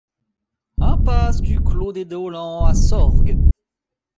Impasse du Clos des Daulands à Sorgues